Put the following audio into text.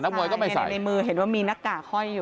มวยก็ไม่ใส่ในมือเห็นว่ามีหน้ากากห้อยอยู่